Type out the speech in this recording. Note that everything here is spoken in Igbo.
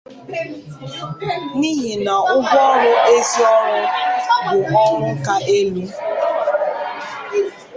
n'ihi na ụgwọ ọrụ ezi ọrụ bụ ọrụ ka elu